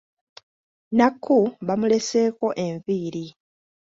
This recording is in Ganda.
Nakku bamuleseeko enviiri .